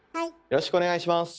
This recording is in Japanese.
よろしくお願いします。